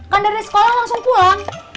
kan dari sekolah langsung pulang